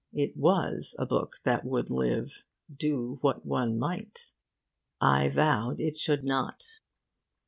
It was a book that would live do what one might. I vowed it should not.